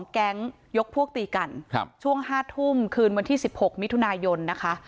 แก๊งยกพวกตีกันช่วง๕ทุ่มคืนวันที่๑๖มิถุนายนนะคะ